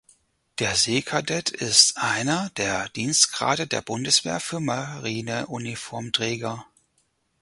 Der Seekadett ist einer der Dienstgrade der Bundeswehr für Marineuniformträger.